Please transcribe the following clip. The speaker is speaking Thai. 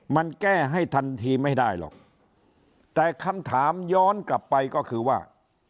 มันแก้ให้ทันทีไม่ได้หรอกแต่คำถามย้อนกลับไปก็คือว่า